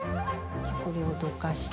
じゃあこれをどかして。